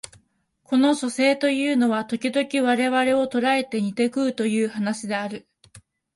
この書生というのは時々我々を捕えて煮て食うという話である